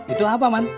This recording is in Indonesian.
itu apa man